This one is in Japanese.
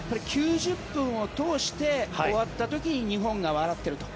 ９０分を通して終わった時に日本が笑っていると。